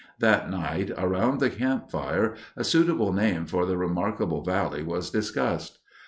That night around the campfire a suitable name for the remarkable valley was discussed.